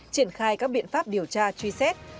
triển khai các biện pháp điều tra truy xét